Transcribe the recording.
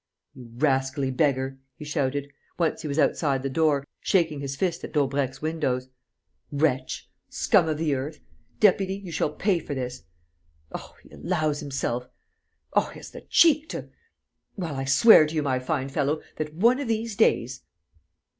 "You rascally beggar!" he shouted, once he was outside the door, shaking his fist at Daubrecq's windows. "Wretch, scum of the earth, deputy, you shall pay for this!... Oh, he allows himself...! Oh, he has the cheek to...! Well, I swear to you, my fine fellow, that, one of these days...."